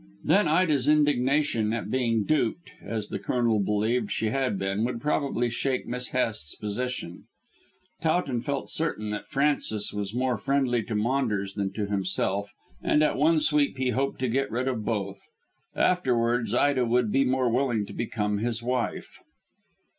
Then Ida's indignation at being duped, as the Colonel believed she had been, would probably shake Miss Hest's position. Towton felt certain that Frances was more friendly to Maunders than to himself, and at one sweep he hoped to get rid of both. Afterwards Ida would be more willing to become his wife.